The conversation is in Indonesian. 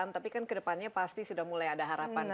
tapi kan ke depannya pasti sudah mulai ada harapan